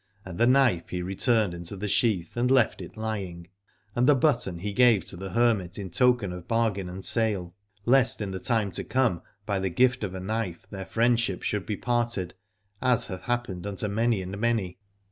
And the knife he returned into the sheath and left it lying : and the button he gave to the hermit in token of bargain and sale, lest in the time to come by the gift of a knife their friendship should be parted, as hath happened unto many and many.